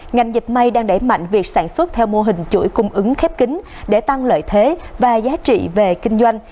ngành dịch may đang đẩy mạnh việc sản xuất theo mô hình chuỗi cung ứng khép kính để tăng lợi thế và giá trị về kinh doanh